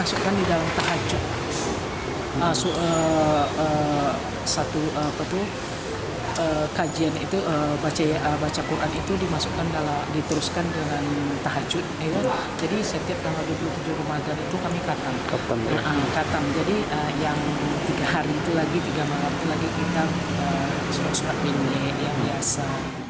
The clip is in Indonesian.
jadi yang tiga hari itu lagi tiga malam itu lagi kita surat surat minyak yang biasa